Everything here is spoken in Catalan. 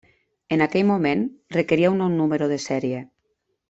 En aquell moment requeria un nou número de sèrie.